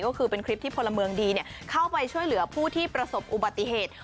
ก็คือเป็นคลิปที่พลเมืองดีเข้าไปช่วยเหลือผู้ที่ประสบอุบัติเหตุ